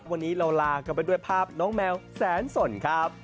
วันนี้เราลากันไปด้วยภาพน้องแมวแสนสนครับ